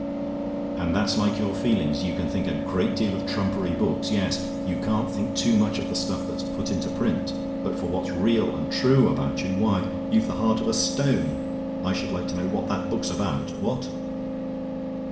"And that's like your feelings! You can think a great deal of trumpery books; yes, you can't think too much of the stuff that's put into print; but for what's real and true about you, why, you've the heart of a stone. I should like to know what that book's about. What!